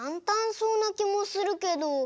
そうなきもするけど。